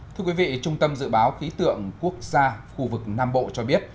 thưa quý vị trung tâm dự báo khí tượng quốc gia khu vực nam bộ cho biết